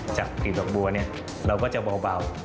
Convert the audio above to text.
จากปีดอกบัวเนี่ยเราก็จะเบา